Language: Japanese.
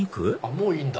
もういいんだ。